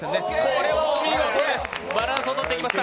これはお見事です。